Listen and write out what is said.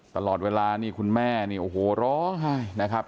ตลอดเวลานี่คุณแม่โอ้โหร้นะครับ